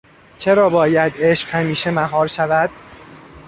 چرا باید عشق همیشه مهار شود؟